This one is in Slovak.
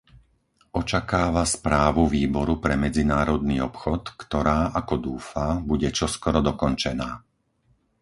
Očakáva správu Výboru pre medzinárodný obchod, ktorá, ako dúfa, bude čoskoro dokončená.